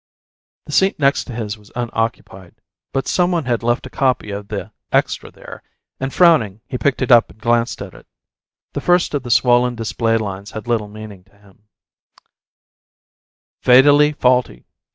The seat next to his was unoccupied, but some one had left a copy of the "Extra" there, and, frowning, he picked it up and glanced at it. The first of the swollen display lines had little meaning to him: Fatally Faulty.